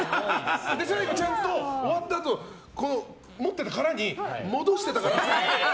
最後ちゃんと終わったあと持ってた殻に戻してたから。